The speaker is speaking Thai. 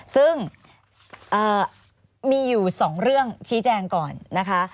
ซึ่งมีอยู่๒เรื่องชี้แจงก่อนนะคะ